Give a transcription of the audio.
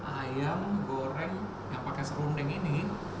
ayam goreng yang pakai serundeng ini